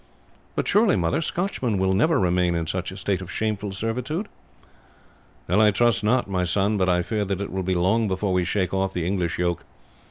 "But surely, mother, Scotchmen will never remain in such a state of shameful servitude!" "I trust not, my son; but I fear that it will be long before we shake off the English yoke.